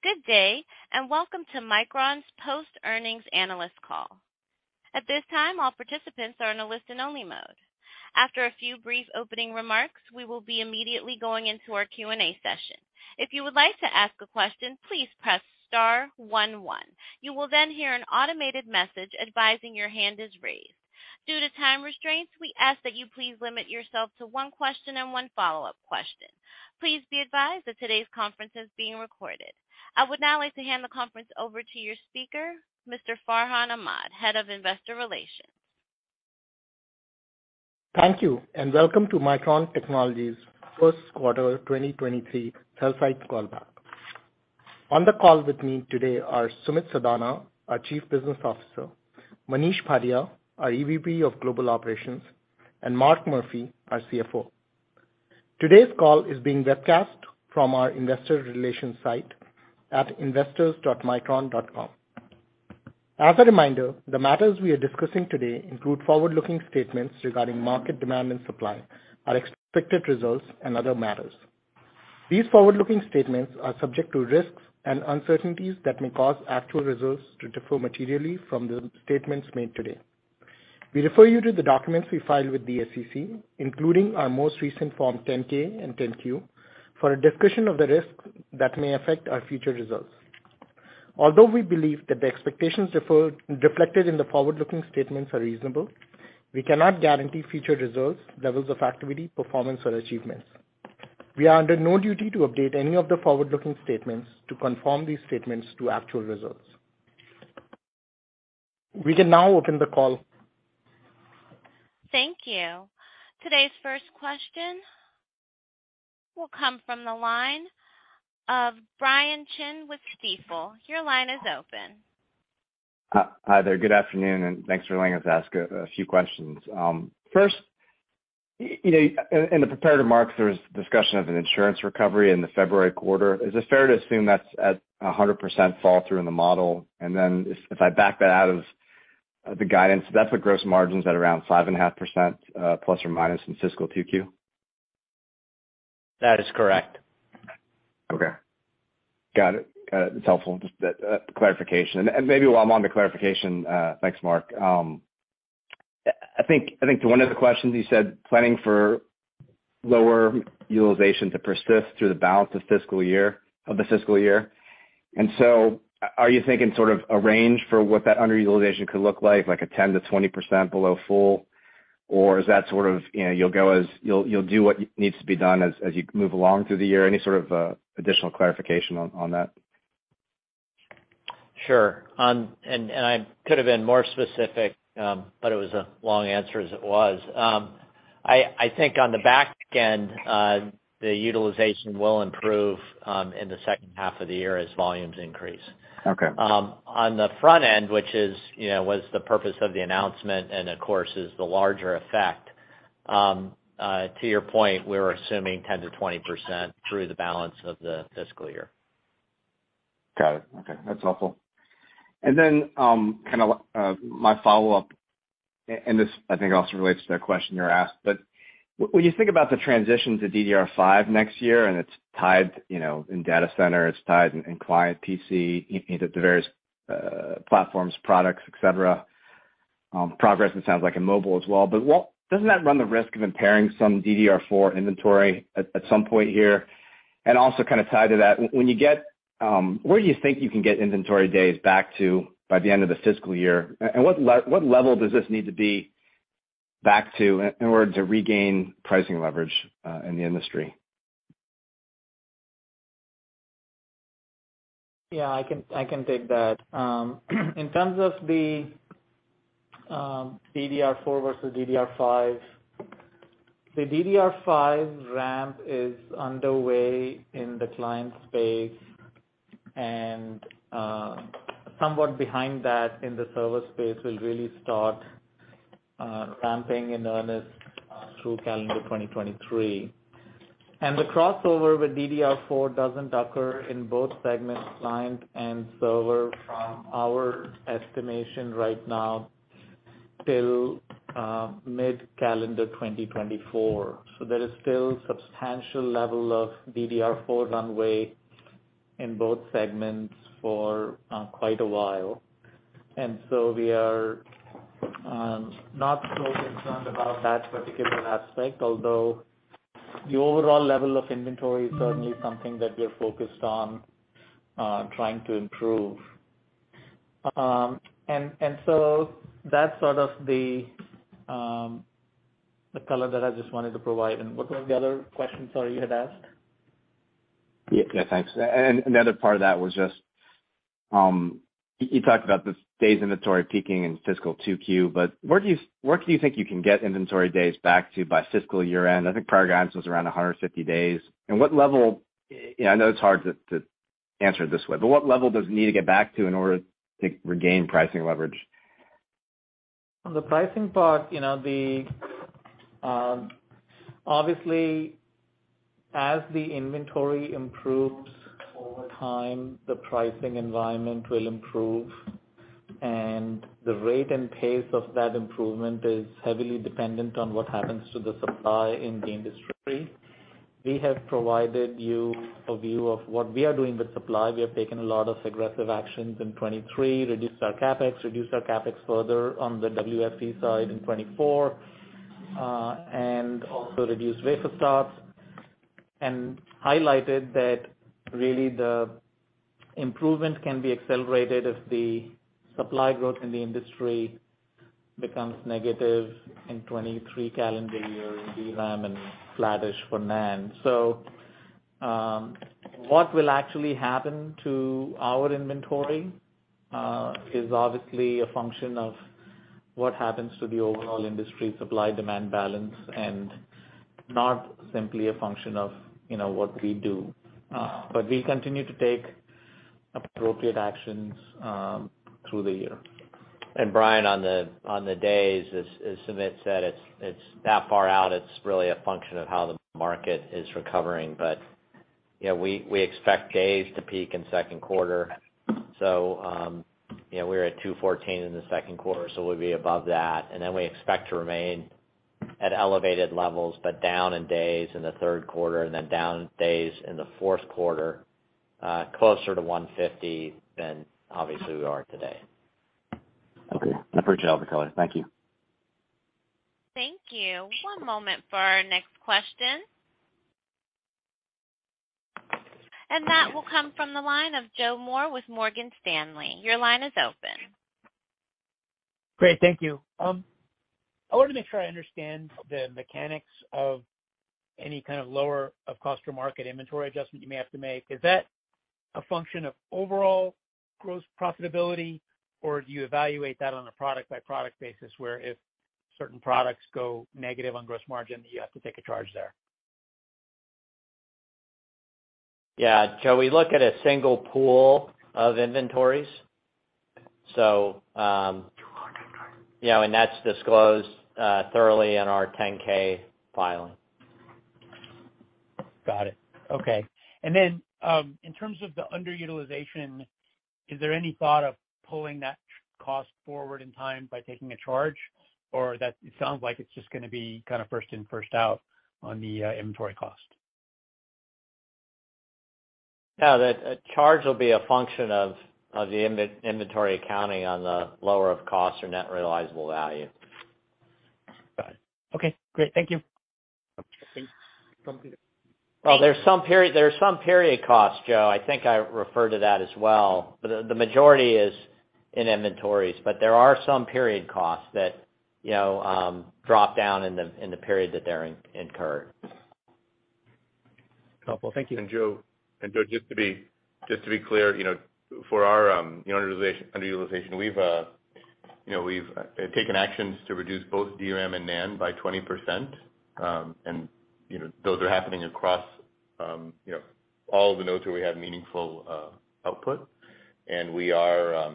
Good day, welcome to Micron's post-earnings analyst call. At this time, all participants are in a listen-only mode. After a few brief opening remarks, we will be immediately going into our Q&A session. If you would like to ask a question, please press star one one. You will hear an automated message advising your hand is raised. Due to time restraints, we ask that you please limit yourself to one question and one follow-up question. Please be advised that today's conference is being recorded. I would now like to hand the conference over to your speaker, Mr. Farhan Ahmad, Head of Investor Relations. Thank you. Welcome to Micron Technology's first quarter 2023 sell side call back. On the call with me today are Sumit Sadana, our Chief Business Officer, Manish Bhatia, our EVP of Global Operations, and Mark Murphy, our CFO. Today's call is being webcast from our Investor Relations site at investors.micron.com. As a reminder, the matters we are discussing today include forward-looking statements regarding market demand and supply, our expected results, and other matters. These forward-looking statements are subject to risks and uncertainties that may cause actual results to differ materially from the statements made today. We refer you to the documents we filed with the SEC, including our most recent form 10-K and 10-Q, for a discussion of the risks that may affect our future results. Although we believe that the expectations reflected in the forward-looking statements are reasonable, we cannot guarantee future results, levels of activity, performance, or achievements. We are under no duty to update any of the forward-looking statements to confirm these statements to actual results. We can now open the call. Thank you. Today's first question will come from the line of Brian Chin with Stifel. Your line is open. Hi there. Good afternoon, and thanks for letting us ask a few questions. First, you know, in the prepared remarks, there was discussion of an insurance recovery in the February quarter. Is it fair to assume that's at 100% fall through in the model? If I back that out of the guidance, that's what gross margins at around 5.5% plus or minus in fiscal 2Q? That is correct. Okay. Got it. Got it. It's helpful, just the clarification. Maybe while I'm on the clarification, thanks, Mark. I think to one of the questions you said planning for lower utilization to persist through the balance of the fiscal year. Are you thinking sort of a range for what that underutilization could look like a 10%-20% below full? Or is that sort of, you know, you'll do what needs to be done as you move along through the year? Any sort of additional clarification on that? Sure. I could have been more specific, but it was a long answer as it was. I think on the back end, the utilization will improve in the second half of the year as volumes increase. Okay. On the front end, which is, you know, was the purpose of the announcement and of course is the larger effect, to your point, we're assuming 10%-20% through the balance of the fiscal year. Got it. Okay. That's helpful. Then, kinda like, my follow-up, and this I think also relates to the question you were asked, but when you think about the transition to DDR5 next year, and it's tied, you know, in data center, it's tied in client PC, you know, the various platforms, products, et cetera, progress it sounds like in mobile as well. Doesn't that run the risk of impairing some DDR4 inventory at some point here? Also, kind of tied to that, when you get, where do you think you can get inventory days back to by the end of the fiscal year? What level does this need to be back to in order to regain pricing leverage in the industry? Yeah, I can take that. In terms of the DDR4 versus DDR5, the DDR5 ramp is underway in the client space, and somewhat behind that in the server space will really start ramping in earnest through calendar 2023. The crossover with DDR4 doesn't occur in both segments, client and server, from our estimation right now till mid-calendar 2024. There is still substantial level of DDR4 runway in both segments for quite a while. We are not so concerned about that particular aspect, although the overall level of inventory is certainly something that we're focused on trying to improve. That's sort of the color that I just wanted to provide. What was the other question, sorry, you had asked? Yeah. Yeah, thanks. The other part of that was just, you talked about the days inventory peaking in fiscal 2Q, but where do you think you can get inventory days back to by fiscal year-end? I think prior guidance was around 150 days. What level, you know, I know it's hard to answer it this way, but what level does it need to get back to in order to regain pricing leverage? On the pricing part, you know, obviously, as the inventory improves over time, the pricing environment will improve. The rate and pace of that improvement is heavily dependent on what happens to the supply in the industry. We have provided you a view of what we are doing with supply. We have taken a lot of aggressive actions in 2023, reduced our CapEx, reduced our CapEx further on the WFE side in 2024, and also reduced wafer starts and highlighted that really the improvement can be accelerated if the supply growth in the industry becomes negative in 2023 calendar year in DRAM and flattish for NAND. What will actually happen to our inventory is obviously a function of what happens to the overall industry supply demand balance and not simply a function of, you know, what we do. We continue to take appropriate actions, through the year. Brian, on the, on the days, as Sumit said, it's that far out, it's really a function of how the market is recovering. You know, we expect days to peak in second quarter. You know, we're at 214 in the second quarter, so we'll be above that. Then we expect to remain at elevated levels, but down in days in the third quarter and then down days in the fourth quarter, closer to 150 than obviously we are today. Okay. I appreciate all the color. Thank you. Thank you. One moment for our next question. That will come from the line of Joseph Moore with Morgan Stanley. Your line is open. Great. Thank you. I want to make sure I understand the mechanics of any kind of lower of cost or market inventory adjustment you may have to make. Is that a function of overall gross profitability, or do you evaluate that on a product-by-product basis where if certain products go negative on gross margin, you have to take a charge there? Yeah. Joe, we look at a single pool of inventories. You know, and that's disclosed thoroughly in our 10-K filing. Got it. Okay. In terms of the underutilization, is there any thought of pulling that cost forward in time by taking a charge, or that it sounds like it is just going to be kind of first in, first out on the inventory cost? No. That charge will be a function of the inventory accounting on the lower of cost or net realizable value. Got it. Okay, great. Thank you. Thanks. There's some period costs, Joe. I think I refer to that as well. The majority is in inventories, but there are some period costs that, you know, drop down in the period that they're incurred. Helpful. Thank you. Joe, just to be clear, you know, for our, you know, underutilization, we've, you know, we've taken actions to reduce both DRAM and NAND by 20%. Those are happening across, you know, all the nodes where we have meaningful output. We are,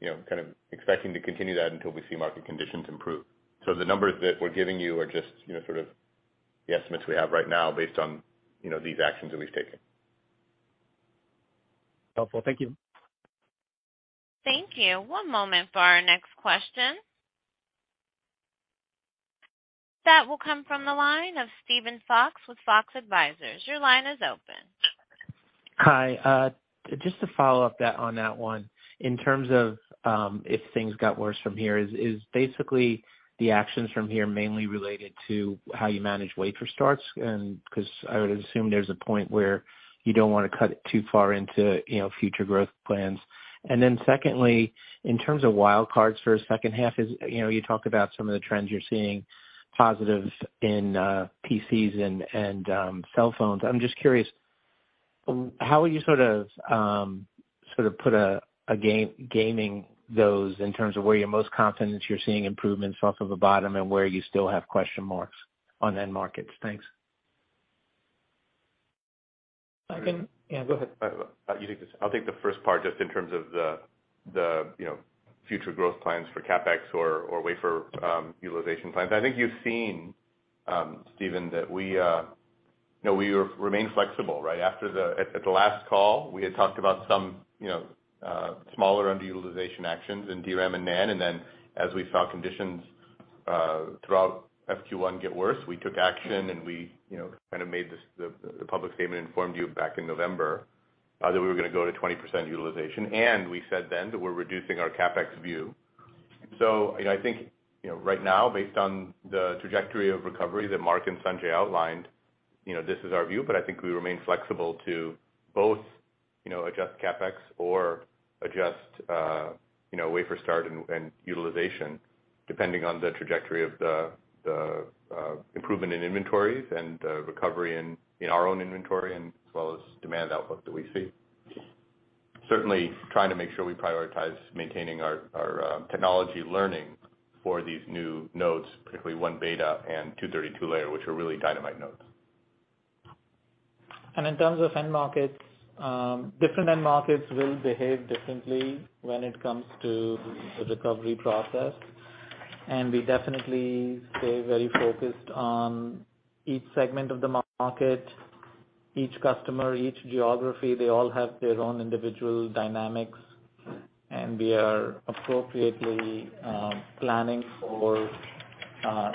you know, kind of expecting to continue that until we see market conditions improve. The numbers that we're giving you are just, you know, sort of the estimates we have right now based on, you know, these actions that we've taken. Helpful. Thank you. Thank you. One moment for our next question. That will come from the line of Steven Fox with Fox Advisors. Your line is open. Hi. Just to follow up that, on that one, in terms of if things got worse from here, is basically the actions from here mainly related to how you manage wafer starts? I would assume there's a point where you don't wanna cut it too far into, you know, future growth plans. Secondly, in terms of wild cards for a second half is, you know, you talk about some of the trends you're seeing positive in PCs and cell phones. I'm just curious, how would you sort of put a gaming those in terms of where you're most confident you're seeing improvements off of the bottom and where you still have question marks on end markets? Thanks. I can- Yeah, go ahead. I'll take this. I'll take the first part just in terms of the, you know, future growth plans for CapEx or wafer utilization plans. I think you've seen, Steven, that we, you know, we remain flexible, right? At the last call, we had talked about some, you know, smaller underutilization actions in DRAM and NAND. As we saw conditions throughout FY 2023 get worse, we took action, and we, you know, kind of made this the public statement informed you back in November that we were gonna go to 20% utilization. We said then that we're reducing our CapEx view, - you know, I think, you know, right now, based on the trajectory of recovery that Mark and Sanjay outlined, you know, this is our view, but I think we remain flexible to both, you know, adjust CapEx or adjust, you know, wafer start and utilization depending on the trajectory of the improvement in inventories and the recovery in our own inventory and as well as demand outlook that we see. Certainly trying to make sure we prioritize maintaining our technology learning for these new nodes, particularly 1β and 232-layer, which are really dynamite nodes. In terms of end markets, different end markets will behave differently when it comes to the recovery process. We definitely stay very focused on each segment of the market, each customer, each geography. They all have their own individual dynamics, and we are appropriately planning for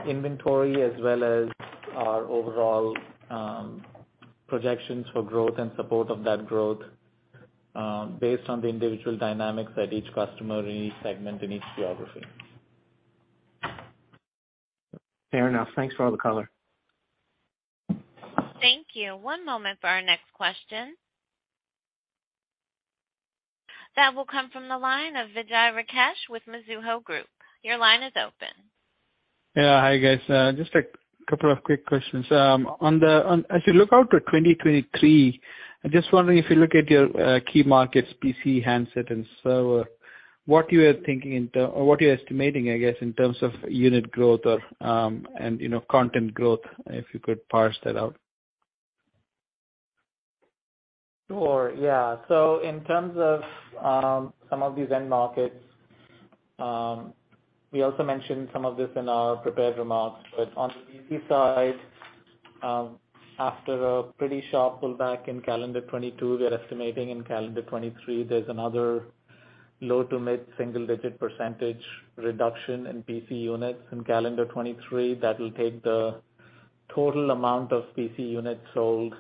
inventory as well as our overall projections for growth and support of that growth, based on the individual dynamics at each customer, in each segment, in each geography. Fair enough. Thanks for all the color. Thank you. One moment for our next question. That will come from the line of Vijay Rakesh with Mizuho Group. Your line is open. Yeah. Hi, guys. Just a couple of quick questions. On as you look out to 2023, I'm just wondering if you look at your key markets, PC, handset and server, what you are thinking what you're estimating, I guess, in terms of unit growth or, and, you know, content growth, if you could parse that out. Sure. Yeah. In terms of some of these end markets, we also mentioned some of this in our prepared remarks, but on the PC side, after a pretty sharp pullback in calendar 2022, we are estimating in calendar 2023 there's another low to mid single-digit % reduction in PC units in calendar 2023 that will take the total amount of PC units sold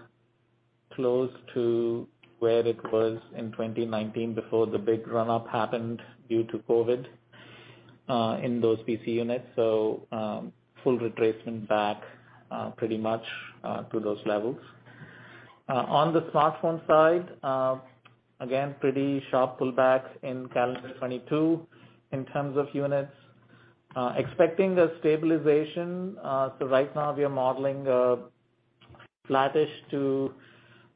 close to where it was in 2019 before the big run-up happened due to COVID in those PC units. Full retracement back pretty much to those levels. On the smartphone side, again, pretty sharp pullback in calendar 2022 in terms of units. Expecting a stabilization. Right now we are modeling a flattish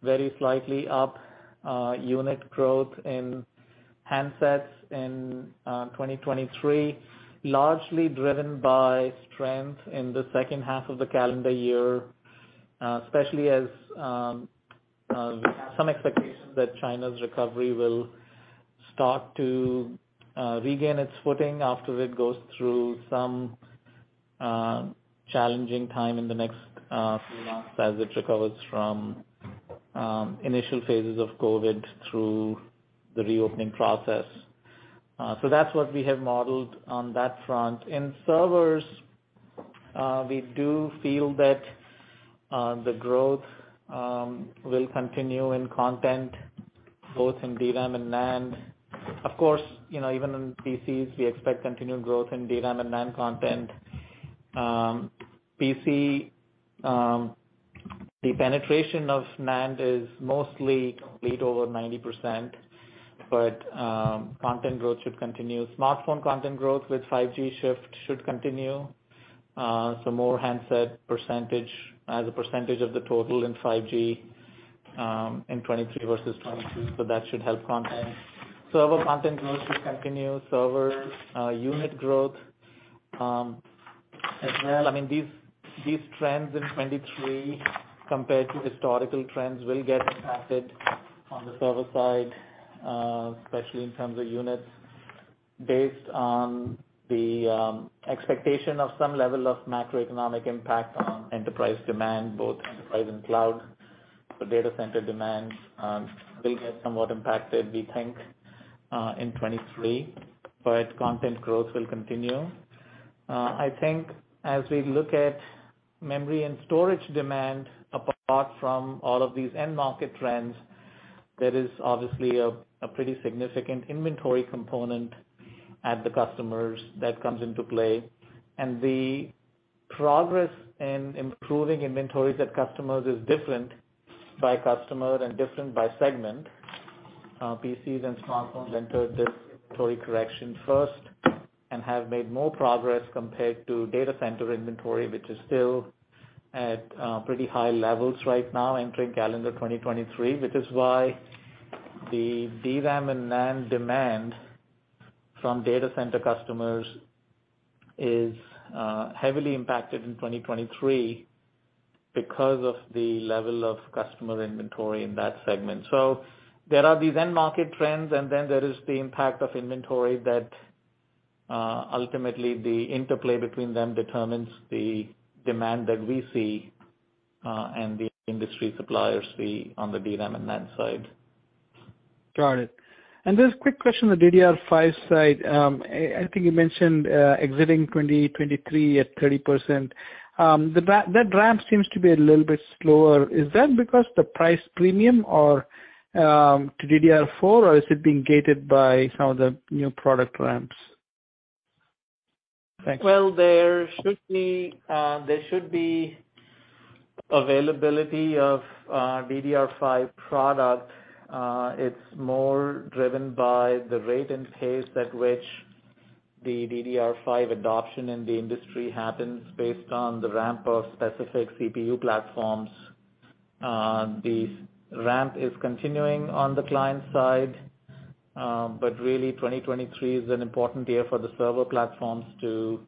to very slightly up unit growth in handsets in 2023, largely driven by strength in the second half of the calendar year, especially as some expectations that China's recovery will start to regain its footing after it goes through some challenging time in the next few months as it recovers from initial phases of COVID through the reopening process. That's what we have modeled on that front. In servers, we do feel that the growth will continue in content both in DRAM and NAND. Of course, you know, even in PCs, we expect continued growth in DRAM and NAND content. PC, the penetration of NAND is mostly complete over 90%, but content growth should continue. Smartphone content growth with 5G shift should continue. More handset percentage as a percentage of the total in 5G in 2023 versus 2022, that should help content. Server content growth should continue. Server unit growth as well. I mean, these trends in 2023 compared to historical trends will get impacted on the server side, especially in terms of units based on the expectation of some level of macroeconomic impact on enterprise demand, both enterprise and cloud. The data center demand will get somewhat impacted, we think, in 2023, content growth will continue. I think as we look at memory and storage demand, apart from all of these end market trends, there is obviously a pretty significant inventory component at the customers that comes into play. The progress in improving inventories at customers is different by customer and different by segment. PCs and smartphones entered this inventory correction first and have made more progress compared to data center inventory, which is still at pretty high levels right now entering calendar 2023, which is why the DRAM and NAND demand from data center customers is heavily impacted in 2023 because of the level of customer inventory in that segment. There are these end market trends, and then there is the impact of inventory that ultimately the interplay between them determines the demand that we see and the industry suppliers see on the DRAM and NAND side. Got it. Just a quick question on the DDR5 side. I think you mentioned exiting 2023 at 30%. That ramp seems to be a little bit slower. Is that because the price premium or to DDR4 or is it being gated by some of the new product ramps? Thanks. There should be, there should be availability of DDR5 product. It's more driven by the rate and pace at which the DDR5 adoption in the industry happens based on the ramp of specific CPU platforms. The ramp is continuing on the client side, really 2023 is an important year for the server platforms to.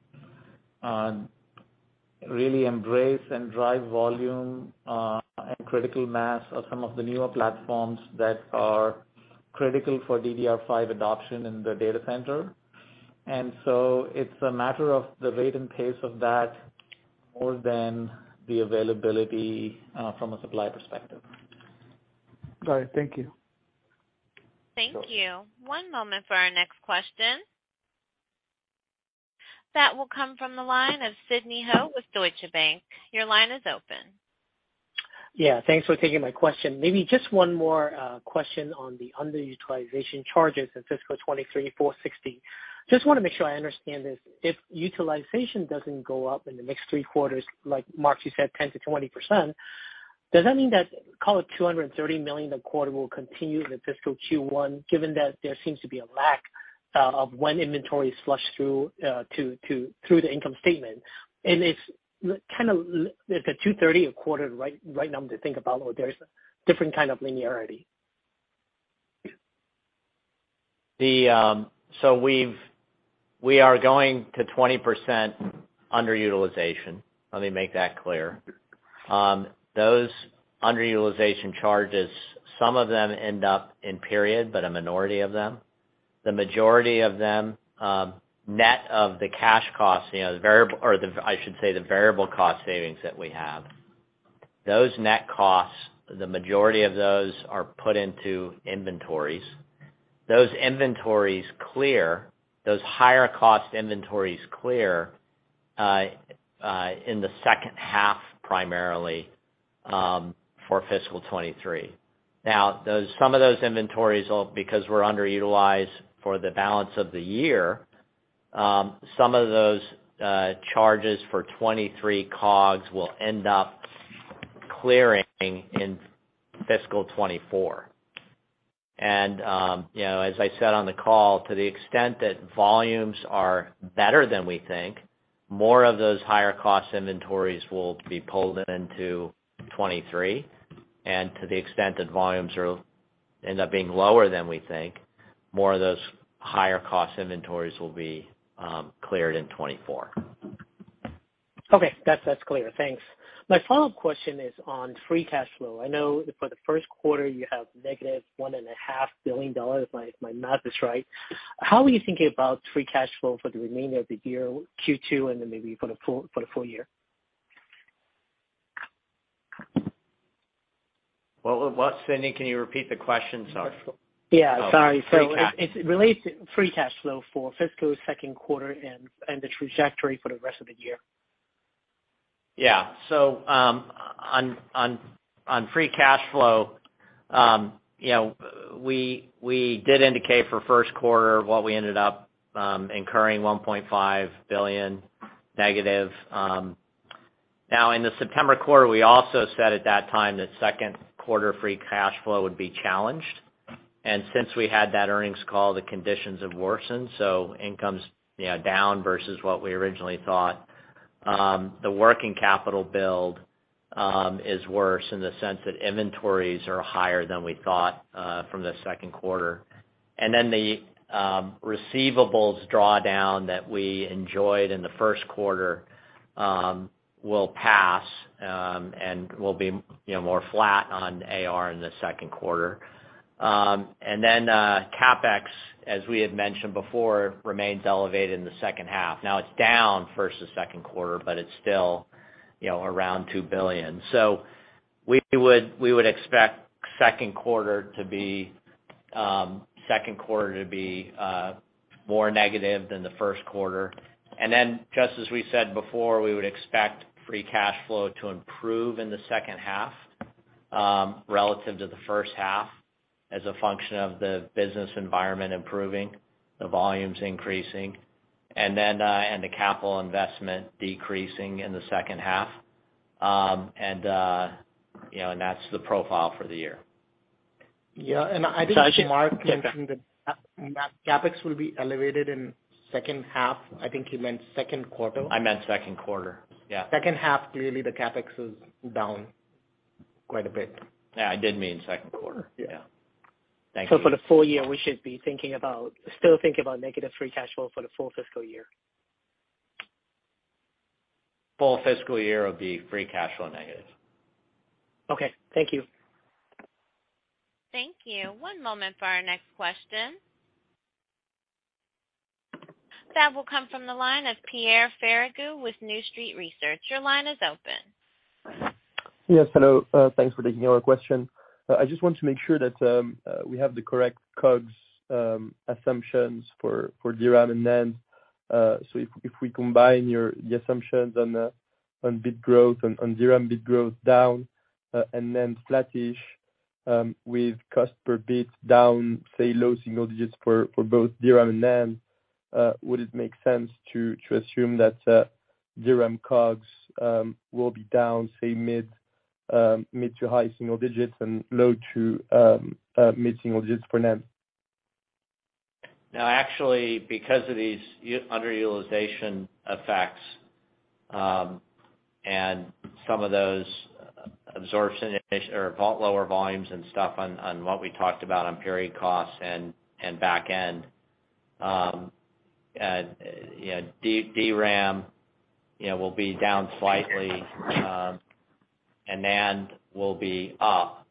Really embrace and drive volume, and critical mass of some of the newer platforms that are critical for DDR5 adoption in the data center. It's a matter of the rate and pace of that more than the availability, from a supply perspective. Got it. Thank you. Thank you. One moment for our next question. That will come from the line of Sidney Ho with Deutsche Bank. Your line is open. Yeah. Thanks for taking my question. Maybe just one more question on the underutilization charges in fiscal 2023, $460 million. Just wanna make sure I understand this. If utilization doesn't go up in the next three quarters, like Mark, you said 10%-20%, does that mean that call it $230 million a quarter will continue in the fiscal Q1, given that there seems to be a lack of when inventory is flushed through to through the income statement? If kind of is the $230 million a quarter the right number to think about, or there's different kind of linearity? We are going to 20% underutilization. Let me make that clear. Those underutilization charges, some of them end up in period, but a minority of them. The majority of them, net of the cash costs, you know, the variable cost savings that we have. Those net costs, the majority of those are put into inventories. Those inventories clear, those higher cost inventories clear in the second half, primarily, for fiscal 2023. Some of those inventories will, because we're underutilized for the balance of the year, some of those charges for 2023 COGS will end up clearing in fiscal 2024. you know, as I said on the call, to the extent that volumes are better than we think, more of those higher cost inventories will be pulled into 2023. To the extent that volumes end up being lower than we think, more of those higher cost inventories will be cleared in 2024. Okay. That's clear. Thanks. My follow-up question is on free cash flow. I know for the first quarter you have negative one and a half billion dollars, if my math is right. How are you thinking about free cash flow for the remainder of the year, Q2, and then maybe for the full year? Well, Sydney, can you repeat the question? Sorry. Yeah, sorry. Oh, free cash- It's related to free cash flow for fiscal second quarter and the trajectory for the rest of the year. Yeah. So, on free cash flow, you know, we did indicate for first quarter what we ended up incurring -$1.5 billion. Now, in the September quarter, we also said at that time that second quarter free cash flow would be challenged. Since we had that earnings call, the conditions have worsened, so income's, you know, down versus what we originally thought. The working capital build is worse in the sense that inventories are higher than we thought from the second quarter. The receivables drawdown that we enjoyed in the first quarter will pass and will be, you know, more flat on AR in the second quarter. CapEx, as we had mentioned before, remains elevated in the second half. It's down versus second quarter, but it's still, you know, around $2 billion. We would expect second quarter to be more negative than the first quarter. Just as we said before, we would expect free cash flow to improve in the second half, relative to the first half as a function of the business environment improving, the volumes increasing, and then and the capital investment decreasing in the second half. You know, and that's the profile for the year. Yeah. I think Mark mentioned that CapEx will be elevated in second half. I think he meant second quarter. I meant second quarter. Yeah. Second half, clearly the CapEx is down quite a bit. Yeah, I did mean second quarter. Yeah. Yeah. Thank you. For the full year, we should be thinking about, still thinking about negative free cash flow for the full fiscal year? Full fiscal year will be free cash flow negative. Okay. Thank you. Thank you. One moment for our next question. That will come from the line of Pierre Ferragu with New Street Research. Your line is open. Yes, hello. Thanks for taking our question. I just want to make sure that we have the correct COGS assumptions for DRAM and NAND. If we combine your, the assumptions on bit growth and on DRAM bit growth down, and NAND flattish, with cost per bit down, say low single digits for both DRAM and NAND, would it make sense to assume that DRAM COGS will be down, say mid to high single digits and low to mid single digits for NAND? No, actually, because of these underutilization effects, Absorption or underutilization lower volumes and stuff on what we talked about on period costs and back end. You know, DRAM, you know, will be down slightly, and NAND will be up.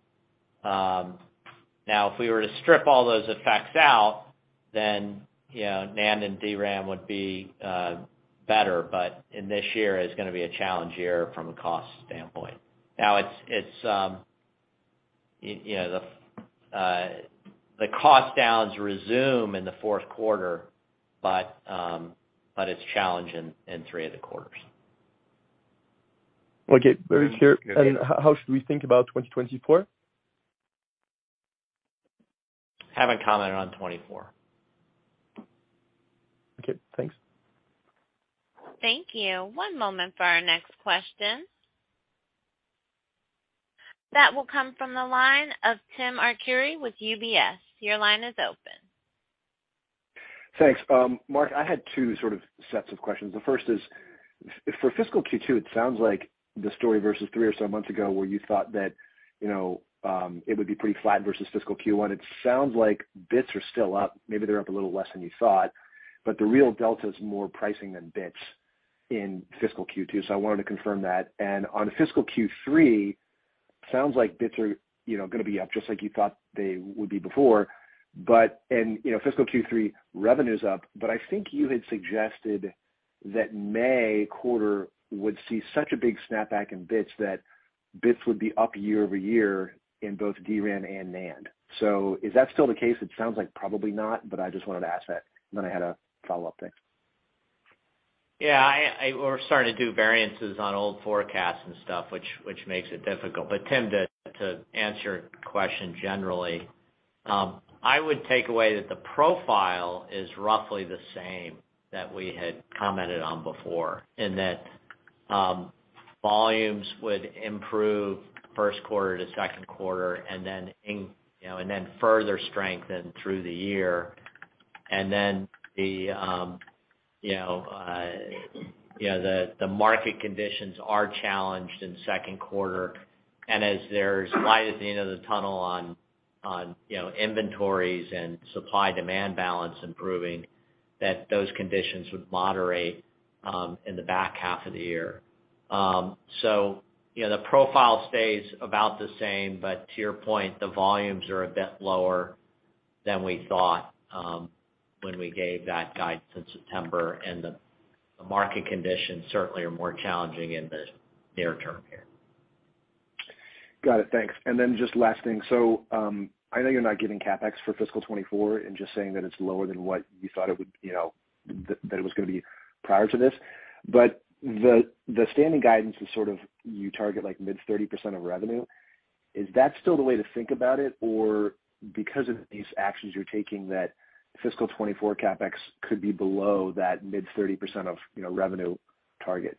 Now if we were to strip all those effects out, then, you know, NAND and DRAM would be better, but in this year is gonna be a challenge year from a cost standpoint. Now it's, you know, the cost downs resume in the fourth quarter, but it's challenging in three of the quarters. Okay, very clear. How should we think about 2024? Haven't commented on 2024. Okay, thanks. Thank you. One moment for our next question. That will come from the line of Timothy Arcuri with UBS. Your line is open. Thanks. Mark, I had two sort of sets of questions. The first is for fiscal Q2, it sounds like the story versus three or so months ago where you thought that, you know, it would be pretty flat versus fiscal Q1. It sounds like bits are still up, maybe they're up a little less than you thought, but the real delta is more pricing than bits in fiscal Q2, so I wanted to confirm that. On fiscal Q3, sounds like bits are, you know, gonna be up just like you thought they would be before. You know, fiscal Q3 revenue's up, but I think you had suggested that May quarter would see such a big snap back in bits that bits would be up year-over-year in both DRAM and NAND. Is that still the case? It sounds like probably not, but I just wanted to ask that, and then I had a follow-up. Thanks. Yeah, we're starting to do variances on old forecasts and stuff, which makes it difficult. Tim, to answer your question generally, I would take away that the profile is roughly the same that we had commented on before in that, volumes would improve first quarter to second quarter and then in, you know, and then further strengthen through the year. Then the, you know, you know, the market conditions are challenged in second quarter. As there's light at the end of the tunnel on, you know, inventories and supply-demand balance improving, that those conditions would moderate in the back half of the year. You know, the profile stays about the same, but to your point, the volumes are a bit lower than we thought, when we gave that guidance in September, and the market conditions certainly are more challenging in the near term here. Got it. Thanks. Just last thing. I know you're not giving CapEx for fiscal 2024 and just saying that it's lower than what you thought it would, that it was gonna be prior to this. The, the standing guidance is sort of you target like mid 30% of revenue. Is that still the way to think about it? Or because of these actions you're taking that fiscal 2024 CapEx could be below that mid 30% of revenue target?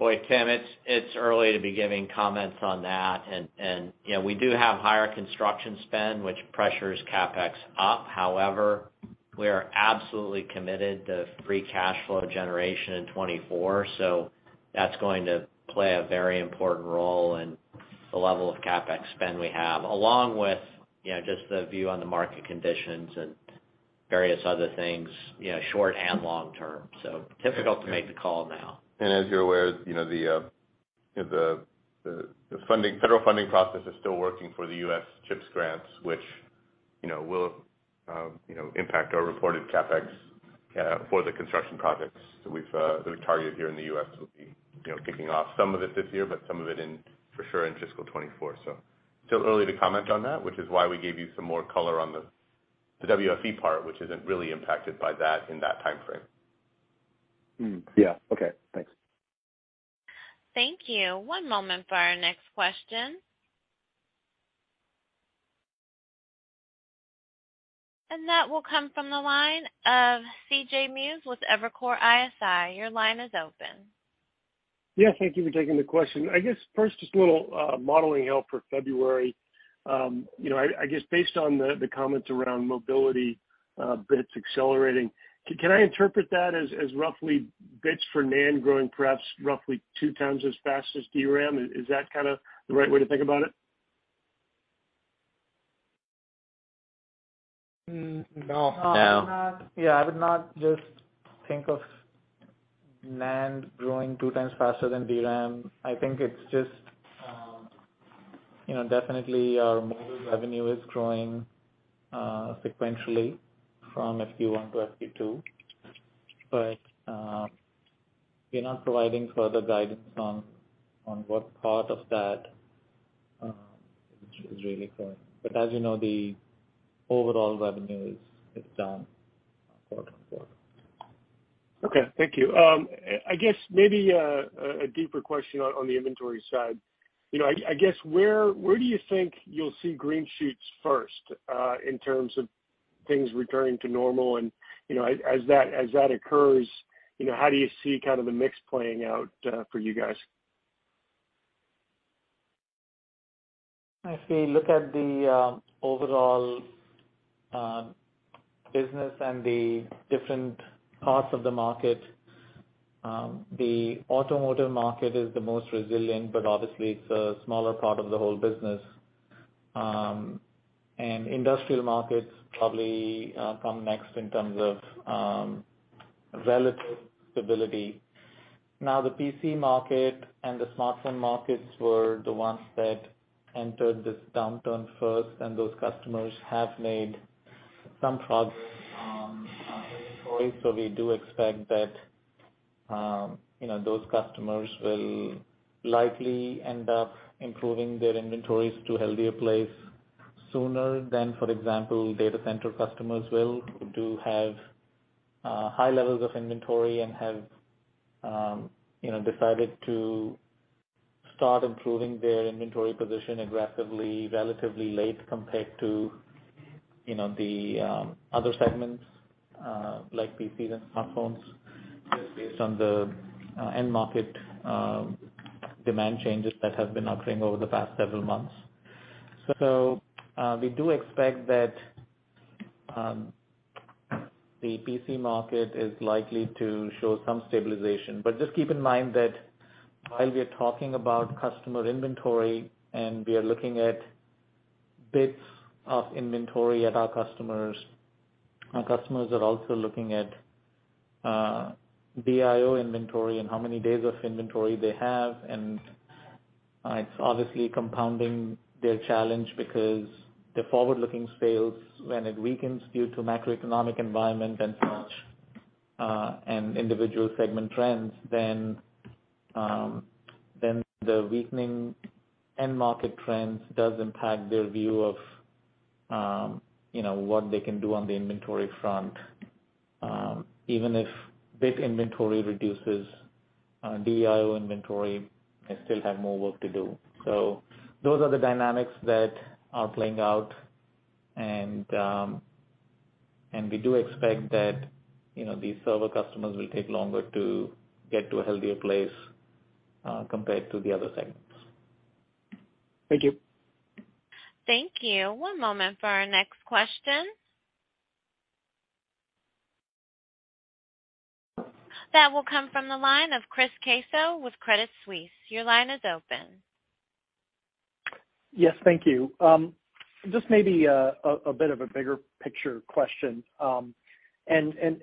Boy, Tim, it's early to be giving comments on that. You know, we do have higher construction spend, which pressures CapEx up. However, we are absolutely committed to free cash flow generation in 2024, so that's going to play a very important role in the level of CapEx spend we have, along with, you know, just the view on the market conditions and various other things, you know, short and long term. Difficult to make the call now. As you're aware, you know, the funding, federal funding process is still working for the U.S. CHIPS grants, which, you know, will, you know, impact our reported CapEx for the construction projects that we've the target here in the U.S. will be, you know, kicking off some of it this year, but some of it in, for sure in fiscal 2024. Still early to comment on that, which is why we gave you some more color on the WFE part, which isn't really impacted by that in that timeframe. Yeah. Okay. Thanks. Thank you. One moment for our next question. That will come from the line of C.J. Muse with Evercore ISI. Your line is open. Yeah, thank you for taking the question. I guess first, just a little modeling help for February. You know, I guess based on the comments around mobility, bits accelerating, can I interpret that as roughly bits for NAND growing perhaps roughly two times as fast as DRAM? Is that kind of the right way to think about it? No. No. I would not just think of NAND growing 2x faster than DRAM. I think it's just, you know, definitely our mobile revenue is growing sequentially from FY1 to FY2. We're not providing further guidance on what part of that is really growing. As you know, the overall revenue is down quarter-on-quarter. Okay, thank you. I guess maybe a deeper question on the inventory side. You know, I guess where do you think you'll see green shoots first in terms of things returning to normal? You know, as that occurs, you know, how do you see kind of the mix playing out for you guys? We look at the overall business and the different parts of the market, the automotive market is the most resilient, but obviously it's a smaller part of the whole business. Industrial markets probably come next in terms of relative stability. The PC market and the smartphone markets were the ones that entered this downturn first, and those customers have made some progress on inventory. We do expect that, you know, those customers will likely end up improving their inventories to a healthier place sooner than, for example, data center customers will, who do have high levels of inventory and have, you know, decided to start improving their inventory position aggressively, relatively late compared to, you know, the other segments, like PCs and smartphones, just based on the end market demand changes that have been occurring over the past several months. We do expect that the PC market is likely to show some stabilization. Just keep in mind that while we are talking about customer inventory and we are looking at bits of inventory at our customers, our customers are also looking at DIO inventory and how many days of inventory they have. It's obviously compounding their challenge because the forward-looking sales, when it weakens due to macroeconomic environment and such, and individual segment trends, then the weakening end market trends does impact their view of, you know, what they can do on the inventory front. Even if bit inventory reduces, DIO inventory may still have more work to do. Those are the dynamics that are playing out and we do expect that, you know, these server customers will take longer to get to a healthier place, compared to the other segments. Thank you. Thank you. One moment for our next question. That will come from the line of Chris Caso with Credit Suisse. Your line is open. Yes, thank you. just maybe a bit of a bigger picture question.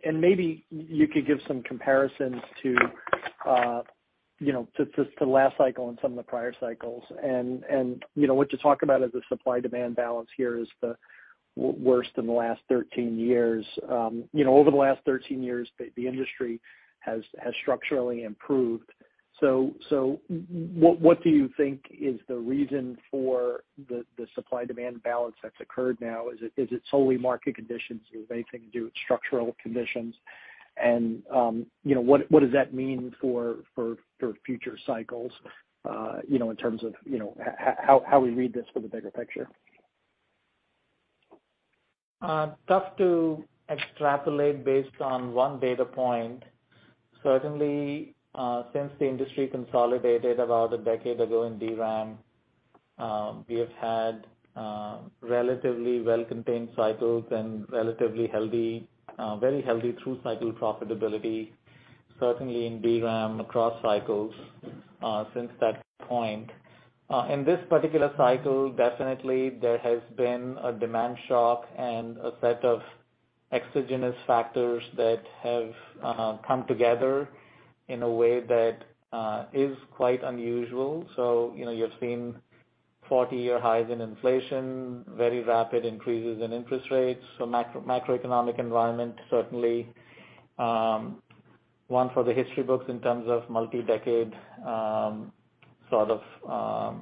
Maybe you could give some comparisons to, you know, to last cycle and some of the prior cycles. You know, what you talk about is the supply-demand balance here is the worst in the last 13 years. you know, over the last 13 years, the industry has structurally improved. What do you think is the reason for the supply-demand balance that's occurred now? Is it, is it solely market conditions, or does anything to do with structural conditions? You know, what does that mean for future cycles, you know, in terms of, you know, how we read this for the bigger picture? Tough to extrapolate based on one data point. Certainly, since the industry consolidated about a decade ago in DRAM, we have had relatively well-contained cycles and relatively healthy, very healthy through cycle profitability, certainly in DRAM across cycles, since that point. In this particular cycle, definitely there has been a demand shock and a set of exogenous factors that have come together in a way that is quite unusual. You know, you're seeing 40-year highs in inflation, very rapid increases in interest rates. Macroeconomic environment, certainly, one for the history books in terms of multi-decade, sort of,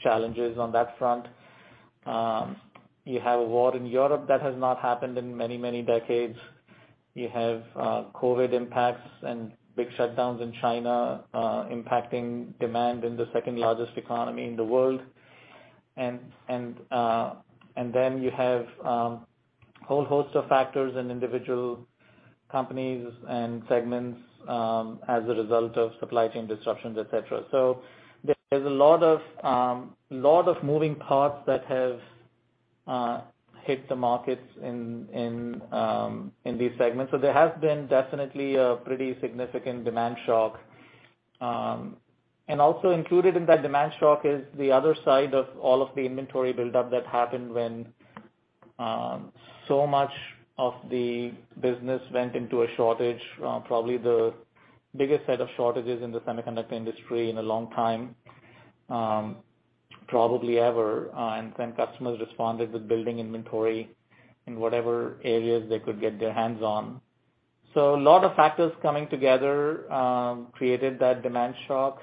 challenges on that front. You have a war in Europe that has not happened in many decades. You have COVID impacts and big shutdowns in China, impacting demand in the second largest economy in the world. You have whole host of factors and individual companies and segments as a result of supply chain disruptions, et cetera. There's a lot of lot of moving parts that have hit the markets in these segments. There has been definitely a pretty significant demand shock. Also included in that demand shock is the other side of all of the inventory buildup that happened when so much of the business went into a shortage, probably the biggest set of shortages in the semiconductor industry in a long time, probably ever. Customers responded with building inventory in whatever areas they could get their hands on. A lot of factors coming together, created that demand shock.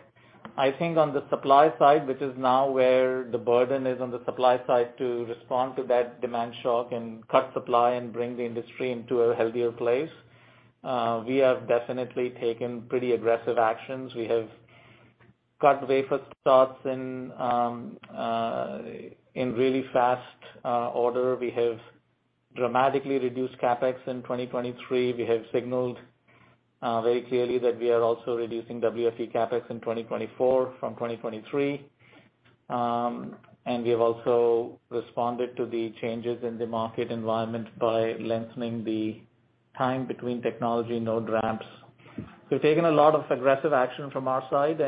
I think on the supply side, which is now where the burden is on the supply side to respond to that demand shock and cut supply and bring the industry into a healthier place, we have definitely taken pretty aggressive actions. We have cut wafer starts in really fast order. We have dramatically reduced CapEx in 2023. We have signaled very clearly that we are also reducing WFE CapEx in 2024 from 2023. We have also responded to the changes in the market environment by lengthening the time between technology node ramps. We've taken a lot of aggressive action from our side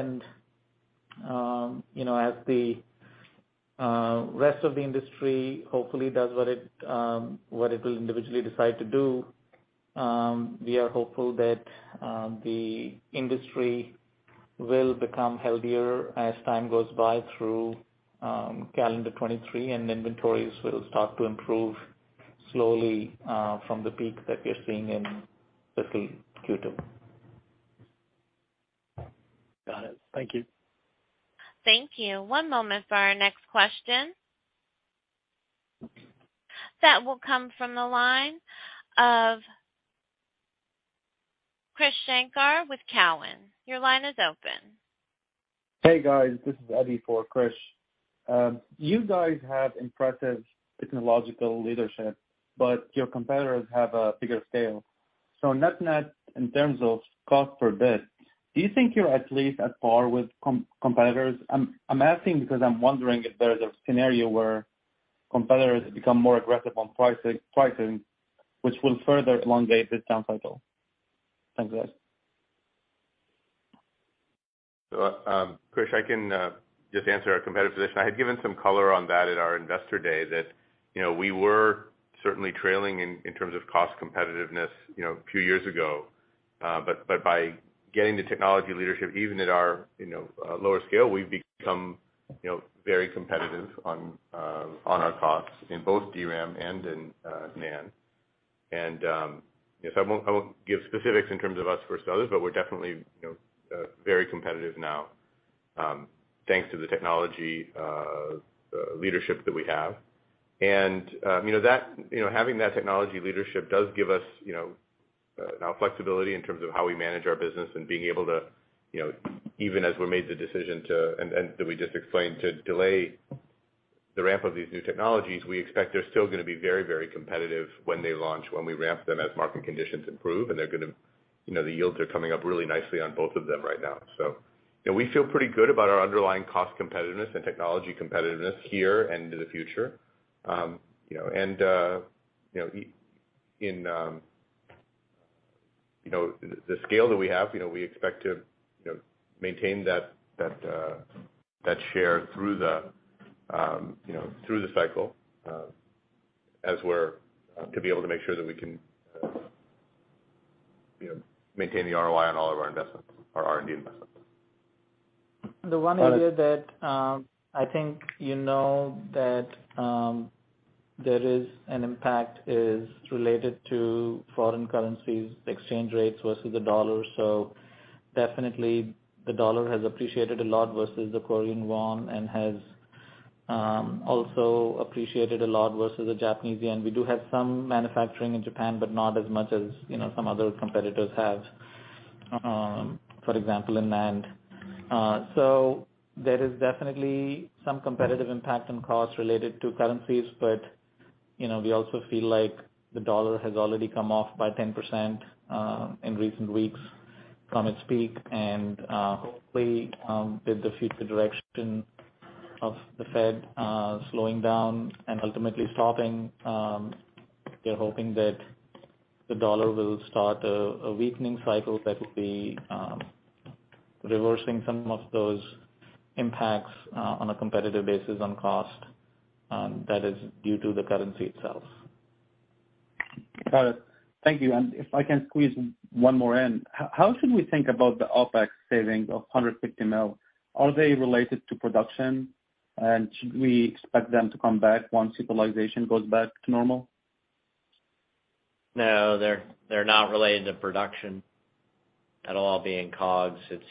and, you know, as the rest of the industry hopefully does what it, what it will individually decide to do, we are hopeful that the industry will become healthier as time goes by through calendar 2023, and inventories will start to improve slowly, from the peak that we're seeing in fiscal Q2. Got it. Thank you. Thank you. One moment for our next question. That will come from the line of Krish Sankar with Cowen. Your line is open. Hey, guys. This is Eddie for Krish. You guys have impressive technological leadership, but your competitors have a bigger scale. Net-net, in terms of cost per bit, do you think you're at least at par with competitors? I'm asking because I'm wondering if there's a scenario where competitors become more aggressive on pricing, which will further elongate this down cycle. Thanks, guys. Krish, I can just answer our competitive position. I had given some color on that at our investor day that, you know, we were certainly trailing in terms of cost competitiveness, you know, a few years ago. But by getting the technology leadership, even at our, you know, lower scale, we've become, you know, very competitive on our costs in both DRAM and in NAND. You know, I won't give specifics in terms of us versus others, but we're definitely, you know, very competitive now, thanks to the technology leadership that we have. you know that, you know, having that technology leadership does give us, you know, now flexibility in terms of how we manage our business and being able to, you know, even as we made the decision to, and that we just explained, to delay the ramp of these new technologies, we expect they're still gonna be very, very competitive when they launch, when we ramp them as market conditions improve. they're gonna, you know, the yields are coming up really nicely on both of them right now. you know, we feel pretty good about our underlying cost competitiveness and technology competitiveness here and into the future. You know, you know, the scale that we have, you know, we expect to, you know, maintain that, that share through the, you know, through the cycle, to be able to make sure that we can, you know, maintain the ROI on all of our investments, our R&D investments. The one area that, I think you know that, there is an impact is related to foreign currencies exchange rates versus the dollar. Definitely the dollar has appreciated a lot versus the Korean won and has, also appreciated a lot versus the Japanese yen. We do have some manufacturing in Japan, not as much as, you know, some other competitors have, for example, in NAND. There is definitely some competitive impact on costs related to currencies. You know, we also feel like the dollar has already come off by 10%, in recent weeks from its peak. Hopefully, with the future direction of the Fed, slowing down and ultimately stopping, we're hoping that the dollar will start a weakening cycle that will be reversing some of those impacts, on a competitive basis on cost, that is due to the currency itself. Got it. Thank you. If I can squeeze one more in? How should we think about the OpEx savings of $150 million? Are they related to production? Should we expect them to come back once utilization goes back to normal? No, they're not related to production at all, being COGS. It's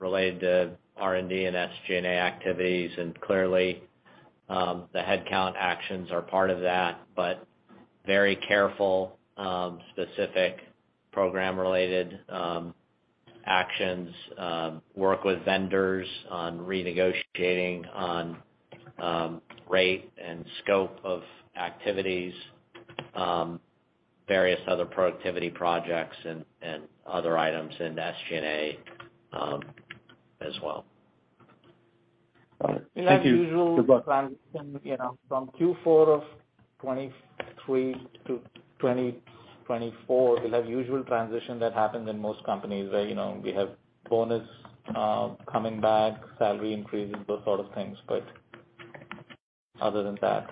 related to R&D and SG&A activities. Clearly, the headcount actions are part of that. Very careful, specific program-related actions, work with vendors on renegotiating on rate and scope of activities, various other productivity projects and other items in the SG&A as well. All right. Thank you. We'll have usual transition, you know, from Q4 of 2023 to 2024, we'll have usual transition that happens in most companies where, you know, we have bonus coming back, salary increases, those sort of things. Other than that.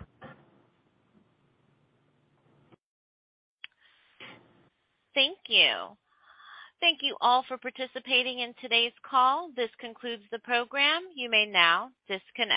Thank you. Thank you all for participating in today's call. This concludes the program. You may now disconnect.